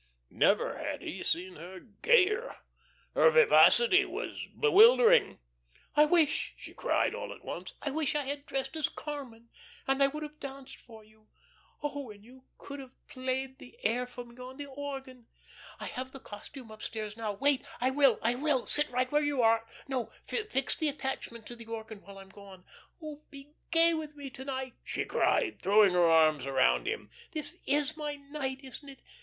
Never had he seen her gayer. Her vivacity was bewildering. "I wish," she cried, all at once, "I wish I had dressed as 'Carmen,' and I would have danced for you. Oh, and you could have played the air for me on the organ. I have the costume upstairs now. Wait! I will, I will! Sit right where you are no, fix the attachment to the organ while I'm gone. Oh, be gay with me to night," she cried, throwing her arms around him. "This is my night, isn't it?